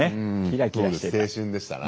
キラキラしてた。